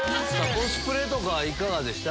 コスプレとかいかがでした？